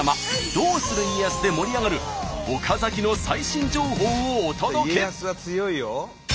「どうする家康」で盛り上がる岡崎の最新情報をお届け。